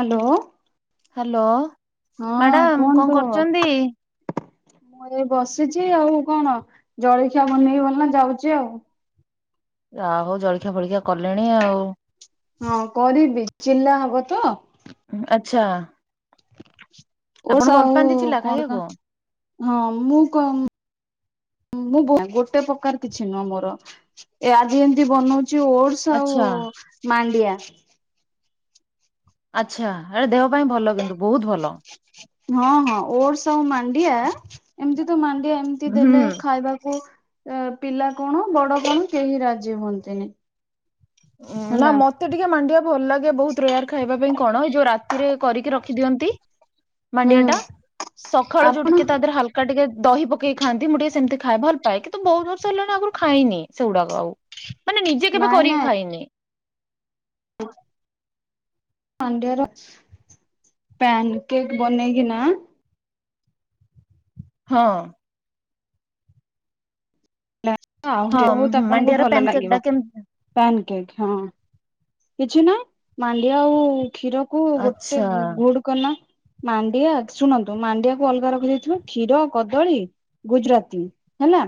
Hello. Hello madam କଁ କୁହନ୍ତୁ କରୁଚନ୍ତି? ମୁଁ ଏଇ ବସିଚି ଆଉ କଣ ଜଳଖିଆ ବନେଇକି ବୋଲି ନା ଯାଉଚି ଆଉ। ଯା ହୋଉ ଜଳିଖିଆ ଫଳିଖିଆ କଲେଣି ଆଉ। ହଁ କରିବି ଚିଲା ହବ ତ? ଆଚ୍ଛା। ଆପଣ କୋମଳ ଭଲ ଆଉ ପାଆନ୍ତି ଚିଲା କଣ କ ଖାଇବାକୁ? ହଁ ମୁଁ କ ମୁଁ ଗୋଟେ ପ୍ରକାର୍ କିଛି ନୁହଁ ମୋର ଏ ଆଜି ଏମ୍ତି ବନୋଉଚି ଓଡ୍ ସ ଆଚ୍ଛା ଆଉ ମାଣ୍ଡିଆ। ଆଚ୍ଛା ଆରେ ଦେହ ପାଇଁ ଭଲ କିନ୍ତୁ ବୋହୁତ୍ ଭଲ। ହଁ ହଁ ଓଡ୍ସ୍ ଆଉ ମାନ୍ ଣ୍ଡିଆ ଏମିତି ତ ମାଣ୍ଡିଆ ଏମ୍ତି ହୁଁ। ଦେଲେ ଖାଇବାକୁ ଅ ପିଲା କଣ ବଡ କଣ କେହି ରାଜି ହୁଅନ୍ତିନି। ଉଁ ନା ହେଲା ମତେ ଟିକେ ମାଣ୍ଡିିବା ଭଲ୍ ଲାଗେ ବୋହୁତ୍ ରୋୟାର୍ ଖାଇବା ପାଇଁ କଣ ଯୋଉ ରା ତିରେ କରିକି ରଖି ଦିଅନ୍ତି ହୁଁ ମାଣ୍ଡିଆ ଟା ସଖାଳୁ ଯୋଉ ଆପଣ ଟିକେ ତା ଦିହରେ ହାଲ୍ କା ଟିକେ ଦହି ପକେଇ ଖାଆନ୍ତି ମୁଁ ଟିକେ ସେମ୍ତି ଖଏ ଭଲ୍ ପାାଏ କିନ୍ତୁ ବୋହୁତ୍ ବର୍ଷ ହେଲାଣି ଆଗରୁ ଖାଇନି ସେଗୁଡାକ ଆଉ। ମାନେ ନିଜେ କେବେ କରିକି ଖାଇନି। ପାଣ୍ଡିଆର ପ୍ୟାନ୍ କେକ୍ ବନେଇକି ନା ହଁ। ହଁ ବୋହୁତ୍ ଆପଣଙ୍କୁ ମାଣ୍ଡିଆର ଭଲ ପ୍ୟାନକେକ୍ ଟା ଲାଗିବ। କେମତି ପ୍ୟାନ କେକ୍ ହଁ, କିଛି ନାଇଁ ମାଣ୍ଡିଆ ଆଉ କ୍ଷୀର କୁ ଗୋଟେ ଆଚ୍ଛା ଗୁଡ୍ କ ନା ମାଣ୍ଡିଆ ଶୁଣନ୍ତୁ ମାଣ୍ଡିଆକୁ ଅଲଗା ରଖିଦେଇଥିବ କ୍ଷୀର କଦଳୀ ଗୁଜୁରାତି ହେଲା।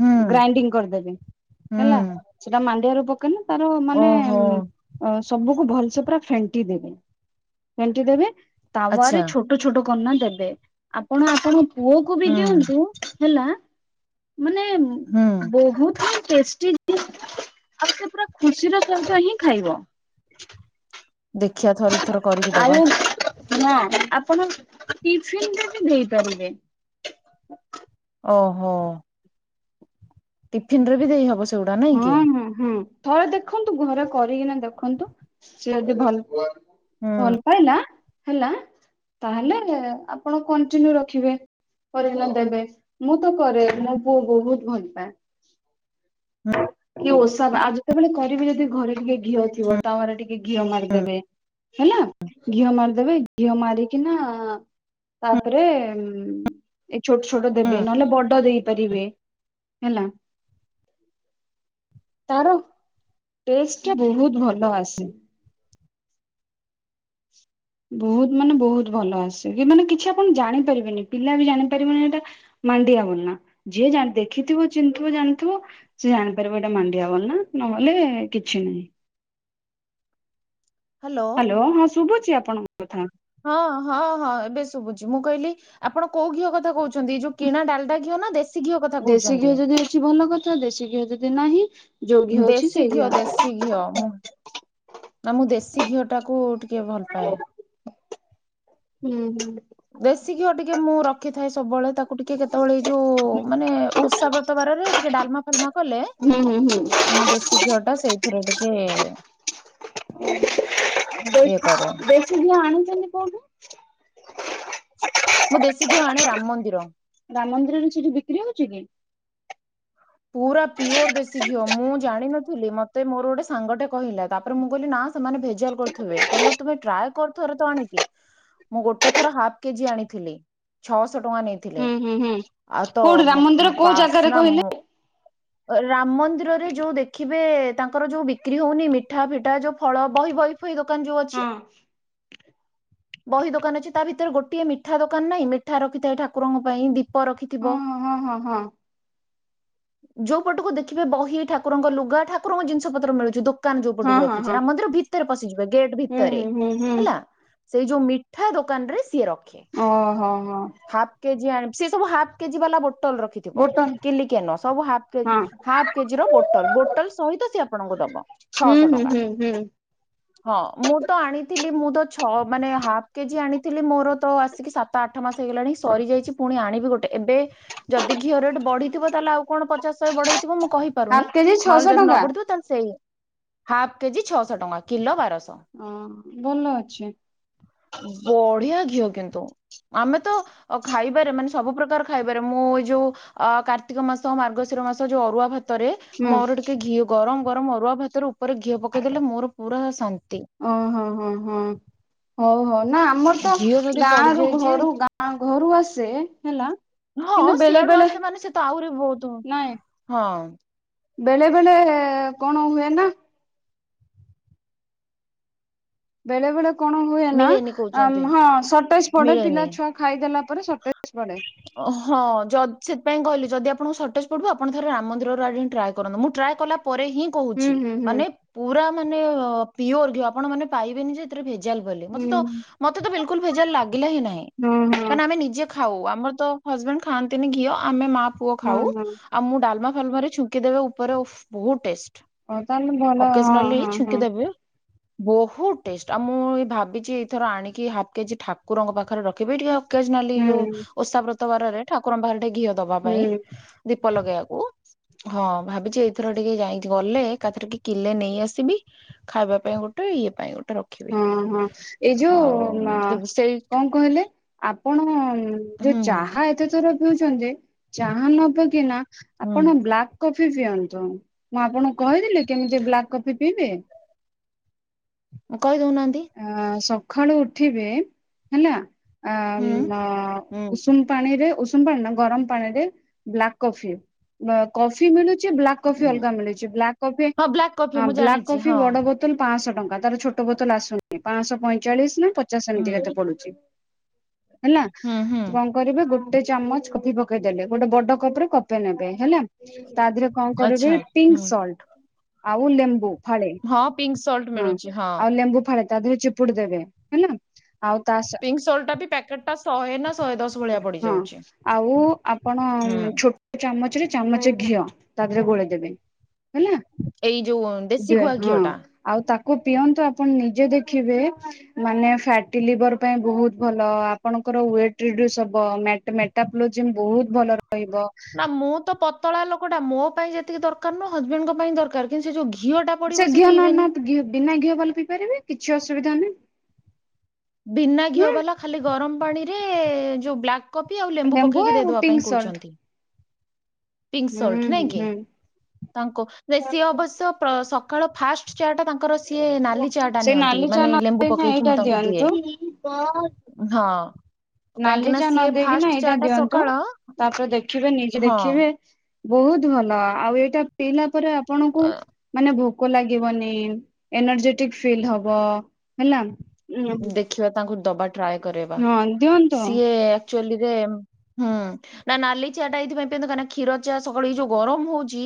ହୁଁ ଗ୍ରାଇଣ୍ଡିଙ୍ଗ କରିଦେବି ହେଲା ହୁଁ ସେଟା ମାଣ୍ଡିଆ ରେ ପକେଇନେତାର ମାନେ ଓହୋ ଅ ସବୁକୁ ଭଲ୍ସେ ପୁରା ଫେଣ୍ଟି ଦେବେ ଫେଣ୍ଟି ଦେବେ ତାୱାରେ ଆଚ୍ଛା ଛୋ ଟୋ ଛୋଟୋ କନା ଦେବେ ଆପଣ ଆପଣଙ୍କ ପୁଅ କୁ ବି ହୁଁ ଦିଅନ୍ତୁ। ହେଲା ମାନେ ହୁଁ ବୋହୁଥି ଟେଷ୍ଟି ଆଉ ସେ ପୁରା ଖୁସିର ସେହିତ ହିଁ ଖାଇବ। ଦେଖିଆ ଥରେ। ଥର କରିକି ଦବା ଆଉ ନା, ଆପଣ ଟିଫିନ୍ ରେ ବି ଦେଇପାରିବେ। ଓହୋ। ଟିଫିନ ରେ ବି ଦେଇ ହବ। ସେଗୁଡା ନାଇଁ ହଁ କି ହଁ ହୁଁ ଥରେ ଦେଖନ୍ତୁ ଘରେ କରିକିନା ଦେଖନ୍ତୁ ସିଏ ଯଦି ଭଲ୍ ହୁଁ ଭଲ୍ ପାଇଲା ହେଲା ତାହେଲେ ଆପଣ କଣ୍ଟିନ୍ୟୁ ରଖିବେ। କରିକିନା ଦେବେ ମୁଁ ତ କରେ ମୋ ପୁଅ ବହୁତ ଭଲ୍ ପାଏ। କି ଓଷା ଆଉ ଯେତେବେଳେ କରିବେ ଯଦି ଘରେ ଟିକେ ଘିଅ ଥିବ। ତାୱା ରେ ଟିକେ ଘିଅ ମାରିଦେବେ ହେଲା ଘିଅ ମାରିଦେବେ ଘିଅ ମାରିକିନା ହୁଁ ତାପରେ ଏ ଛୋ ଛୋଟ ହୁଁ ଦେବେ ନହେଲେ ବଡ ଦେଇ ପାରିବେ ହେଲା। ତାର ଟେଷ୍ଟ୍ ଟା ବୋହୁତ୍ ଭଲ ଆସେ। ବୋହୁତ୍ ମାନେ ବୋହୁତ୍ ଭଲ ଆସେ କି ମାନେ କିଛି ଆପଣ ଜାଣିପାରିବେନି ପିଲା ବି ଜାଣିପାରିବନି ଏଟା ମାଣ୍ଡିଆ ବୋଲି ନା ଯିଏ ଯା ଦେଖିଥିବ ଚିହ୍ନି ଥିବ ଜାଣିଥିବ। ସେ ଜାଣିପାରିବ ଏଇଟା ମାଣ୍ଡିଆ ବୋଲିନା ନହେଲେ କିଛି ନାହିଁ। ହ୍ୟାଲୋ। ହଁ ହଁ ଶୁଭୁଛି ଆପଣଙ୍କ କଥା। ହଁ ହଁ ହଁ ଏବେ ଶୁଭୁଛି ମୁଁ କହିଲି ଆପଣ କୋଉ ଘିଅ କଥା କହୁ ଯୋଉ କିଣା ଡାଲଟା ଘିଅ ନା ଦେଶୀ ଘିଅ କଥା ଦେଶୀ ଘିଅ କହୁଛନ୍ତି। ଯଦି ଅଛି ଭଲ କଥା ଦେଶୀ ଘିଅ ଯଦି ନାହିଁ ଯୋଉ ଘିଅ ଅଛି ସେଇ ଘିଅ ଶୀ ଘିଅ ମୁଁ ନା ମୁଁ ଦେଶୀ ଘିଅ ଟାକୁ ଟିକେ ଭଲ ପାଏ। ହୁଁ ହୁଁ। ଦେଶୀ ଘିଅ ଟିକେ ମୁଁ ରଖିଥାଏ ସବୁବେଳେ ତାକୁ ଟିକେ କେତେବେଳେ ଏଇ ଯୋଉ ମାନେ ଓଷା ବ୍ରତ ବାରରେ ଟିକେ ଡାଲମା ଫାଲମା କଲେ ହୁଁ ହୁଁ ହୁଁ। ସେ ଘିଅ ଟା ସେଇଥିରେ ଟିକେ [inaudible] ଇଏ କରେ ସେ ଯିଏ ଆଣିଛନ୍ତି କୋଉଠୁ। ମୁଁ ଦେଶି ଘିଅ ଆଣେ ରାମ ମନ୍ଦିର ରାମ ମନ୍ଦିରରେ ସେଠି ବିକ୍ରି ହଉଛି କି? ପୁରା ପିଓର ଦେଶୀ ଘିଅ ମୁଁ ଜାଣିନଥିଲି ମତେ ମୋର ଗୋଟେ ସାଙ୍ଗଟେ କହିଲା ତାପରେ ମୁଁ କହିଲି ନା ସେମାନେ ଭେଜଲ କରୁଥିବେ କହିଲା ତୁମେ ଟ୍ରାଏକର ଥରେ ତ ଆଣିକି ମୁଁ ଗୋଟେ ଥର ହାଫ କେଜି ଆଣିଥିଲି ଛଅଶହ ଟଙ୍କା ନେଇଥିଲି। ଥିଲେ ହୁଁ ହୁଁ ହୁଁ ଆଉ ତ କୋଉଠି ରାମ ମନ୍ଦିର କୋଉ ଜାଗାରେ ବାସ୍ନା। କହିଲେ? ରାମ ମନ୍ଦିରରେ ଯୋଉ ଦେଖିବେ ତାଙ୍କର ଯୋଉ ବିକ୍ରି ହଉନି ମିଠା ଫିଠା ଯୋଉ ଫଳ ବହି ବହି। ଦୋକାନ ଯୋଉ ହଁ ଅଛି। [inaudible] ବହି ଦୋକାନ ଅଛି ତା ଭିତରେ ଗୋଟିଏ ମିଠା ଦୋକାନ ନାହିଁ ମିଠା ରଖିଥାଏ ଠାକୁରଙ୍କ ପାଇଁ ଦୀପ ରଖିଥିବ। ହଁ-ହଁ-ହଁ-ହଁ। ଯୋଉ ପଟକୁ ଦେଖିବେ ବହି ଠାକୁରଙ୍କ ଲୁଗା ଠାକୁରଙ୍କ ଜିନିଷ ପତ୍ର ମିଳୁଛି ଦୋ ଦୋକାନ ଯୋଉ ହଁ ପଟକୁ ହଁ ହଁ ରଖିଛି ହଁ ରାମ ମନ୍ଦିର ଭିତରେ ପଶିଯିବେ ଗେଟ୍ ହୁଁ ଭିତରେ ହୁଁ ହୁଁ ହୁଁ ହେଲା ସେଇ ଯୋଉ ମିଠା ଦୋକାନ ରେ ସିଏ ରଖେ। ଓହୋ ହଁ। ହାଫ୍ କେଜି ଆନ ସେ ସବୁ ହାପ୍ କେଜି ବାଲା ବୋଟଲ ରଖିଥିବ ଗୋଟ କିଲିକିଆ ନୁହ ସବୁ ହାପ କେଜି ହଁ ହାପ୍ କେଜିର ବୋଟଲ ବୋଟଲ ସହିତ ସେ ଆପଣଙ୍କୁ ଦବ ହୁଁ ଛଅଶ ହୁଁ ଟଙ୍କା। ହୁଁ ହୁଁ ହଁ ମୁଁ ତ ଆଣିଥିଲି ମୁଁ ତ ଛଅ ମାନେ ହାଫ କେଜି ଆଣିଥିଲି ମୋର ତ ଆସିକି ସା ତ ଆଠ ମାସ ହେଇଗଲାଣି ସରିଯାଇଛି ପୁଣି ଆଣିବି ଗୋଟେବେ ଯଦି ଘିଅ ରେଟ୍ ବଢ଼ିଥିବ ତାହେଲେ ଆଉ କଣ ପଚାଶହ ବଢେଇଥିବ ମୁଁ ହାଫ୍ କହିପାରୁନି କେଜି ଛଅଶହ ନହେଲେ ଯଦି ଟଙ୍କା ନ ବଢିଥିବ ତାହେଲେ ସେଇ ହାଫ କେଜି ଛଅଶହ ଟଙ୍କା କିଲୋ ବାରଶହ। ହଁ ଭଲ ଅଛି ବଢିଆ ଘିଅ କିନ୍ତୁ ଆମେ ତ ଖାଇବାରେ ମାନେ ସବୁ ପ୍ରକାର ଖାଇବାରେ ମୁଁ ଏଇ ଯୋଉ ଅ କାର୍ତ୍ତିକ ମାସ ମାର୍ଗଶିର ମାସ ଯୋଉ ଅରୁଆ ଭାତରେ ହୁଁ ମୋର ଟିକେ ଘିଅ ଗରମ ଗରମ ଅରୁଆ ଭାତରେ ଉପରେ ଘିଅ ପକେଇଦେଲେ ମୋର ପୁରା ଶାନ୍ତି। ଓହୋ ହୋ ହଁ ହଉ ହଉ ନା ଆମର ତ ଘିଅ ଯଦି ଗାଁ ରୁ ପଡିଯାଇଛି ଘରୁ ଗାଁ ଆ ଘରୁ ଆସେ ହେଲା। ହଁ କିନ୍ତୁ ବେଳେ ସିଆଡୁ ବେଳେ ଆସେ ମାନେ ସେ ତ ଆହୁରି ବହୁତ ନାଇଁ ହଁ ବେଳେ ବେଳେ କଣ ହୁଏ ନା। ବେଳେ ବେଳେ କଣ ହୁଏ ନା ମିଳେନି କହୁଛନ୍ତି ହଁ ସଟେଜ ପଡେ ପିଲା ମିଳେନି ଛୁଆ ଖାଇଦେଲା ପରେ ସଟେଜ ପଡେ। ଓ ହଁ ଯଦ୍ ସେଥିପାଇଁ କହିଲେ ଯଦି ଆପଣଙ୍କୁ ସଟେଜ ପଢିବ ଆପଣ ରେ ରାମ ମନ୍ଦିରରୁ ଆଣିକି ଟ୍ରାଏ କରନ୍ତୁ ମୁଁ ଟ୍ରାଏ କଲା ପରେ ହିଁ ହୁଁ କହୁଛି ହୁଁ ହୁଁ ମାନେ ପୁରା ମାନେ ପିଓର ଘିଅ ଆପଣ ମାନେ ପାଇବେନି ଯେଥିରେ ଭ ଜାଲ ବୋଲି ମତେ ମତେ ତ ବିଲକୁଲ ଭୋଜାଲ ଲାଗିଲା ହିଁ ନାହିଁ ହୁଁ ହଁ ହଁ କାଇଁ ନା ଆମ ନିଜେ ଖାଉ ଆମର ତ ହଜବେଣ୍ଡ ଖାଆନ୍ତିନି ଘିଅ ଆମେ ମା ପୁଅ ହଁ ଖାଉ ହଁ ଆଉ ମୁଁ ଡାଲମା ଫାଲମା ଛୁଙ୍କି ଦେବ ଉପରେ ଓଃ ବହୁତ ଟେଷ୍ଟ ହଉ ତାହେଲେ ଭଲ ହଁ ଅକେଜନାଲି ହଁ ଛୁଙ୍କି ହଁ ଦେବେ ବହୁତ ଟେଷ୍ଟ ଆପ ଭାବିଛିି ଏଇଥର ଆଣିକି ହାଫ୍ କେଜି ଠାକୁରଙ୍କ ପାଖରେ ରଖିବି ଟିକେ ଆକେଜ୍ନାଲି ହୁଁ ହଉ ଓଷା ବ୍ରତବାରରେ ଠାକୁରଙ୍କ ପାଖରେ ଘିଅ ଦବା ହୁଁ ପାଇଁ ଦୀପ ଲଗେଇବାକୁ ହଁ ଭାବିଛି ଏଇଥର ଟିକେ ଯାଇକି ଗଲେ ଏକାଥରେ କେ କିଲେ ନେଇ ଆସିବି। ଖାଇବା ପାଇଁ ଗୋଟେ ଇଏ ପାଇଁ ଗୋଟେ ରଖ ହଁ ହଁ ଏଇ ଯୋଉ ଅମ ତେବେ ସେଇ କଣ କହିଲେ? ଆପଣ ଯୋଉ ହୁଁ ଚାହା ଏତେଥର ପିଉଛନ୍ତି ଚାହା ନ ପିକିନା ହୁଁ ଆପଣ ବ୍ଲାକ୍ କଫି ପିଅନ୍ତୁ ମୁଁ ଆପଣଙ୍କୁ କହିଥିଲି କେମିତି ବ୍ଲାକ୍ କଫି ପିଇବେ? କହି ଦଉନାହାନ୍ତି। ଅ ସକାଳୁ ଉଠିବେ ହେଲା ଆ ହୁଁ ଆଁ ହୁଁ ଉଷୁମ ପାଣି ରେ ଉଷୁମ ପାଣି ନା ଗରମ ପାଣିରେ ବ୍ଲାକ୍ କଫି ବ କଫି ମିଳୁଛି ବ୍ଲାକ୍ କଫି ଉଁ, ଅଲଗା ମିଳୁଛି ବ୍ଲାକ୍ କଫି ହଁ ବ୍ଲାକ୍ କଫି ହଁ ମୁଁ ବ୍ଲାକ୍ ଜାଣିଛି କଫି ହଁ ବଡ ବ ବୋତଲ ପାଞ୍ଚଶହ ଟଙ୍କା ତାର ଛୋଟ ବୋତଲ ଆସୁନି ପାଞ୍ଚଶହ ପଇଁଚାଳିଶ ନା ପ ଚାସ ହୁଁ ସେମିତି କେତେ ପଡୁଛି ହେଲା ହୁଁ ହୁଁ କଣ କରିବେ ଗୋଟେ ଚାମଚ କଫି ପକେଇଦେଲେ ଗୋଟେ ବଡ କପରେ କଫି ନେବେ ହେଲା। ତା ଦେହରେ କଣ କରିବି ଆଚ୍ଛା ପିଙ୍କ ହୁଁ ସଲ୍ଟ ଆଉ ଲେମ୍ବୁ ଫାଳେ ହଁ ପିଙ୍କ ସଲ୍ଟ ହଁ ମିଳୁଛି ଆଉ ଲେମ୍ବୁ ଫାଳେ ତା ଦେହରେ ଚିପୁଡି ଦେବେ ହେଲା। ଆଉ ତା ପିଙ୍କ ସଲ୍ଟ ଟା ବି ପ୍ୟାକେଟ ଟା ଶହେ ନା ଶହେ ଦଶ ଭଳିଆ ହଁ ପଡିଯାଉଛି। ଆଉ ଆପଣ ହୁଁ ଛୋଟ ଚାମଚରେ ଚାମଚ ଘିଅ ତା ଦେହରେ ଗୋଳେଇ ଦେବେ ହେଲା। ଏଇ ଯଉ! ହଁ ଆଉ ତାକୁ ପିଅନ୍ତୁ ଆପଣ ନିଜେ ଦେଖିବେ। ମାନେ ଫ୍ୟାଟି ଲିଭର ପାଇଁ ବହୁତ ଭଲ ଆପଣଙ୍କର ୱେଟ ରଡିୁସ୍ ହବ। ମେଟାପଲୋଜି ବହୁତ ଭଲ ରହିବ। ନା ମୁଁ ତ ପତଳା ଲୋକ ଟା ମୋ ପାଇଁ ଯେତିକି ଦରକାର ନୁହଁ ହଜବେଣ୍ଡଙ୍କ ପାଇଁ ଦରକାର। କିନ୍ତ ସେ ଯଉ ଘିଅ ଟା ପଡିବ ସେ ଘିଅ ନ ପଇବେନି। ନ ଘିଅ ବିନା ଘିଅ ଭଲ ପିଇ ପାରିବେ କିଛି ଅସୁବିଧା ନୁହ। ବିନା ଘିଅ ବାଲା ଖାଲି ଗରମ ପାଣିରେ ଯୋଉ ବ୍ଲାକ୍ କପି ଆଉ ଲେମ୍ବୁ ପକେଇକି ଆଉ ଦେଇଦବା ପାଇଁ ପିଙ୍କ ସଲ୍ଟ କହୁଛନ୍ତି। ପିଙ୍କ ସଲ୍ଟ ହୁଁ ନାଇଁ କି ହୁଁ ତାଙ୍କୁ ନା ସିଏ ଅବଶ୍ୟ ସକାଳ ଫାଷ୍ଟ ଚଟା ତାଙ୍କର ସିଏ ନାଲି ଚା ଟା ସେ ନିଅନ୍ତି ନାଲି ମାନେ ଚାନ ଲେମ୍ବୁ ପକେଇକି ମୁଁ ଏଇଟା ତାଙ୍କୁ ଦିଏ। ଦିଅନ୍ତୁ। ହଁ। କାହିଁକି ନାଲି ନା ଚା ନ ସିଏ ଦେଇେଇକି ନା ଫାଷ୍ଟ ଚା ଏଇଟା ଟା ଦିଅନ୍ତୁ ସକାଳ ତାପରେ ଦେଖିବେ ନିଜେ ହଁ। ଦେଖିବେ ବହୁତ ଭଲ ଆଉ ଏଇଟା ପିଇଲା ପରେ ଆପଣଙ୍କୁ ଅ ମାନେ ଭୋକ ଲାଗିବନି ଏନର୍ଜେଟିକ ଫିଲ୍ ହବ ହେଲା। ଉଁ ଦେଖିବା ତାଙ୍କୁ ଦବା ଟ୍ରାଏ କବା ହଁ ଦିଅନ୍ତୁ ସିଏ ଆକଚୁଲି ରେ ହୁଁ ନା ନାଲି ଚାିଆଟା ଏଇଥିପାଇଁ କାହିଁକି ନା କ୍ଷୀର ଚାିଆ ସକାୁଳେ ଯୋଉ ଗରମ ହଉଛି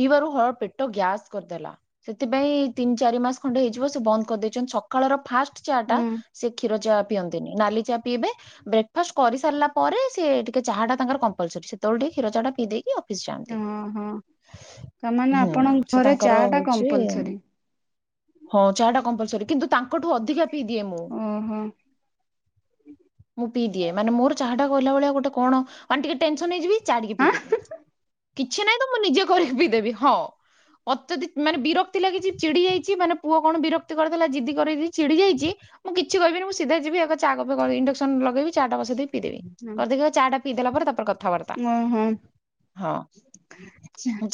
ପିଇବାରୁ ହଳ ପେଟ ଗ୍ୟାସ୍ କରିଦେଲା। ସେଥିପାଇଁ ତିନି ଚାରି ମାସ ଖଣ୍ଡେ ହେଇଯିବ ସେ ବନ୍ଦ କରିଦେଇଛନ୍ତି ସକାଳର ଫାଷ୍ଟ ଚା ଟା ହୁଁ ସେ କ୍ଷୀର ଚା ପିଅନ୍ତିନି ନାଲି ଚା ପିଇବେ। ବ୍ରେକ୍ଫାଷ୍ଟ କରିସାରିଲା ପରେ ସେ ଟିକେ ଚାହା ଟା ତାଙ୍କର କମ୍ପଲସରରି ସେତେବେଳେ ଟିକ କଷର ଚା ଟ ପିଇ ଦେଇକି ଆଉ। ଯାଆନ୍ତି। ହଁ ହଁ ତାମାନେ ହୁଁ ଆପଣଙ୍କ ସେ ଘରେ ଚା ତାଙ୍କର ଟା ହଉଛି କମ୍ପଲସରୀ ହଁ ଚା ଟା କମ୍ପଲସରୀ କିନ୍ତୁ ତାଙ୍କଠୁ ଅଧିକା ପିଇଦିଏ ମୁଁ। ଓହୋ ମୁଁ ପିଇ ଦିଏ ମାନ ମୋର ଚାହା ଟା କଲା ଭଳିଆ ଗୋଟେ କଣ ମାନ ଟିକେ ଟେନସନ ହେଇଯିବି। ଚାଡିକି ଆଁ ପିଇଦେବି। କିଛି ନହିଁ ତ ମୁଁ ନିଜେ କରିକି ପିଇଦେବି ହଁ। ଅତ୍ୟଧ ମାନେ ବିରକ୍ତି ଲାଗିଛି ଚିଛିଡି ଯାଇଛି। ମାନେ ପୁଅ କଣ ବିରକ୍ତି କରିଦେଲା ଜିଦି କରି ଚିଡି ଯାଇଛି। ମୁଁ କିଛି କିବିନି। ମୁଁ ସିଧା ଯିବି ଏକ ଚା କପେ ଇଣ୍ଡକ୍ସନ ଲଗେଇବି। ଚାଟା ବସେଇ ଦେଇ ପିଇଦେବି। କରିିଦେଇ ଚାଟା ପିଇଦଲା ପରେ ତାପରେ କଥାବାର୍ତ୍ତା। ଓହୋ ହଁ।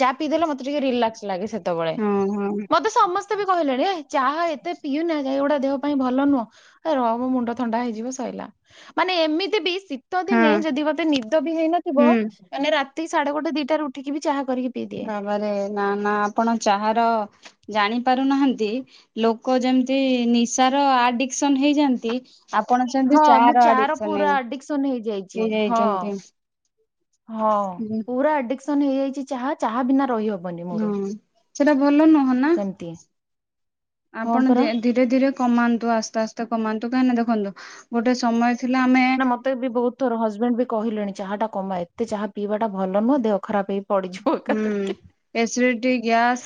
ଚା ପିଇଦେଲେ ମତେ ଟିକେ ରିଲାକ୍ସ ଲାଗେ ସେତେବେଳେ। ହଁ ହଁ ମତେ ସମସ୍ତେ ବି କହିଲେଣି ଏ ଚାହା ଏତେ ପିଉନା ଏଗୁଡା ଦେହ ପାଇଁ ଭଲ ନୁହଁ। ଏ ରହ ମୋ ମୁଣ୍ଡ ଥଣ୍ଡା ହେଇଯିବ ସଇଲା। ମାନେ ଏମିତି ବି ଶୀତ ହଁ ହଁ ଦିନେ ଯଦି ମତେ ନିଦ ବି ହେଇନଥିବ ହୁଁ ମାନେ ରାତି ସାଢେ ଗୋଟେ ଦିଟାରେ ଉଠିକି ବି ଚାହା କରିକି ପିଇଦିଏ। ବାବା ରେ ନା ନା ଆପଣ ଚାହାର ଜାଣି ପାରୁନାହାନ୍ତି ଲୋକ ଯେମିତି ନିଶାର ଆଡିକସନ ହେଇଯାନ୍ତି ଆପଣ ସେମତି ହଁ ଚା ମୁଁ ର ଚାହା ଆଡିକ୍ସନ ପୁରା ଆଡିକ୍ସନ ହେଇଯାଇଛି ହେଇ ହଁ। ଯାଇଛନ୍ତି। ହଁ ପୁରା ଆଡିକସନ ହେଇଯାଇଛି ଚାହା। ଚାହା ବିନା ରହିହବ ହଁ ସେଟା ଭଲ ନୁହ ନା। ସେମତି। ଆପଣ ଯେ ଧୀରେ ଧୀରେ କମାନ୍ତୁ ଆସ୍ତେ ଆସ୍ତେ କମାନ୍ତୁ। କାହିଁକି ନା ଦେଖନ୍ତୁ ଗୋଟେ ସମୟ ଥିଲା ଆମେ ନା ମତେ ବି ବହୁତ ଥର ହଜବେଣ୍ଡ ବି କହିଲେଣି ଚାହା ଟା କମା ଏତେ ଚାହା ପିଇବାଟା ଭଲ ନୁହଁ ଦେହ ଖରାପ ହେଇ ପଡିଯିବ ହୁଁ। ଏକାଥରକେ। ଏସିଡିଟି, ଗ୍ୟାସ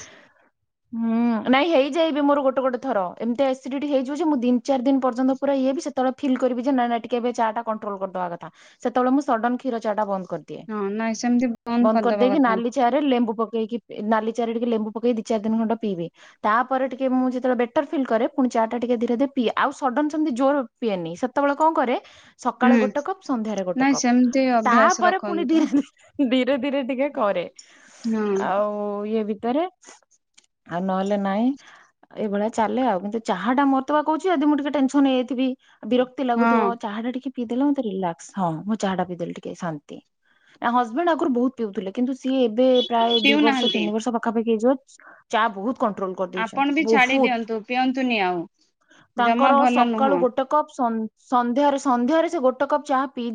ହୁଁ ନାଇଁ ହେଇଯାଏ ବି ମୋର ଗୋଟେ ଗୋଟେ ଥର। ଏମତି ଏସିଡିଟି ହେଇଯିବ ଯେ ମୁଁ ତିିନି ଚାରି ଦିନ ପର୍ଯ୍ୟନ୍ତ ପୁରା ଇଏ ବି ସେତେବେଳେ ଫିଲ୍ କରିବି ଯେ ନା ନା କେବେ ଚା ଟା କଣ୍ଟ୍ରୋଲ କରିଦବା କଥା। ସେତେବେଳେ ମୁଁ ସଡନ୍ କ୍ଷୀର ଚା ଟା ବନ୍ଦ କରି ହଁ ନାଇଁ ସେମିତି ବନ୍ଦ କରିଦବା କଥା। ନାଲି ଚା ରେ ଲେମ୍ବୁ ପକେଇକି ନାଲି ଚା ରେ ଟିକେ ଲେମ୍ବୁ ପକେଇକି ଦି ଚାରି ଦିନ ଖଣ୍ଡେ ପିଇଲି। ତାପରେ ଟିକେ ମୁଁ ଯେତେବେଳେ ବେଟର ଫିଲ୍ କରେ ପୁଣି ଚା ଟା ଟିକେ ଧୀରେ ଧୀରେ ପିଏ। ଆଉ ସଡନ ସେମତି ଜୋର ପିଏନି। ସେତେବେଳେ କଣ କରେ ସକାଳେ ହୁଁ ଗୋଟେ କପ୍ ସନ୍ଧ୍ୟାରେ ଗୋଟେ ନାଇଁ କପ୍। ସେମିତି ଅଭ୍ୟାସ ତାପରେ ପୁଣି ରଖନ୍ତୁ ଧୀରେ ଧୀରେ ଧୀରେ ଟିକେ କରେ। ହଁ ଆଉ ଇଏ ଭିତରେ ଆଉ ନହେଲେ ନାଇଁ। ଏଇଭଳିଆ ଚାଲେ ଆଉ। କିନ୍ତୁ ଚାହା ଟା ମରତ ବା କହୁଚି ଯଦି ମୁଁ ଟିକେ ଟେନସନ ହେଇଯାଇଥିବି ବିରକ୍ତି ହଁ ଲାଗୁଥିବ ଚାହା ଟା ଟିକେ ପିଇଦଲେ ରି। ହଁ ମୁଁ ଚାହା ଟା ପି ଦେଲେ ଟିକେ ଶାନ୍ତି। ଆ ହଜବେଣ୍ଡ ଆଗରୁ ବହୁତ ପିଉଥିଲେ। କିନ୍ତୁ ସିଏ ଏ ପ୍ରାୟ ଦି ବର୍ଷ ପିଉନାହାନ୍ତି ତିନି ବର୍ଷ ପାଖାପାଖି ହେଇଯିବ ଚା ବହୁତ କଣ୍ଟ୍ରୋଲ। ଆପଣ କରିଦେଇଛନ୍ତି। ବି ଛାଡି ବହୁତ୍ ଦିଅନ୍ତୁ ପିଅନ୍ତୁନି ଆଉ ଜମା ତାଙ୍କର ଭଲ ନୁହଁ। ସକାଳୁ ଗୋଟେ କପ୍। ସନ୍ଧ୍ୟା ସନ୍ଧ୍ୟାରେ ସେ ଗୋଟେ କପ୍ ଚାହା ପି